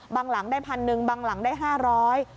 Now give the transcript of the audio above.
บางหลังได้พันหนึ่งบางหลังได้ห้าร้อย